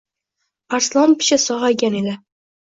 Arslon picha sog‘aygan edi